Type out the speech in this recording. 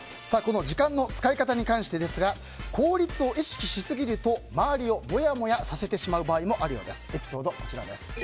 時間の使い方に関してですが効率を意識しすぎると周りをモヤモヤさせてしまう場合もあるそうです。